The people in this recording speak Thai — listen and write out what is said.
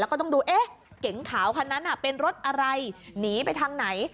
แล้วก็ต้องดูเอ๊ะเก๋งขาวคันนั้นเป็นรถอะไรหนีไปทางไหน